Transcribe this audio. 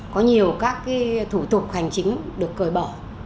có nhiều các thủ tục hành chính được cởi bỏ